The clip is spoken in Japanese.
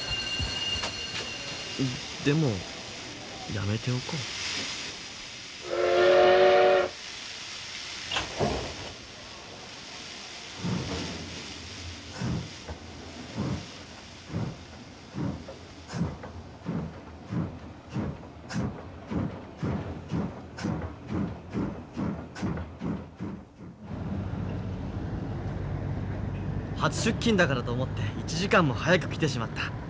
でもやめておこう初出勤だからと思って１時間も早く来てしまった。